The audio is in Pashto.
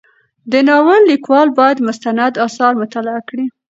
د ناول لیکوال باید مستند اثار مطالعه کړي.